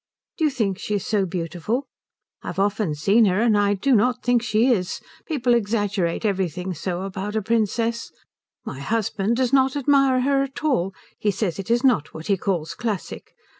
Do you think she is so beautiful? I have often seen her, and I do not think she is. People exaggerate everything so about a princess. My husband does not admire her at all. He says it is not what he calls classic.